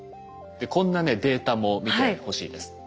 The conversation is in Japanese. こんなねデータも見てほしいです。